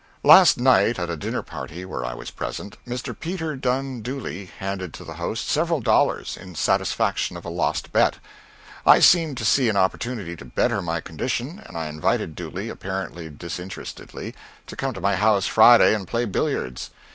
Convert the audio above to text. Last night, at a dinner party where I was present, Mr. Peter Dunne Dooley handed to the host several dollars, in satisfaction of a lost bet. I seemed to see an opportunity to better my condition, and I invited Dooley, apparently disinterestedly, to come to my house Friday and play billiards.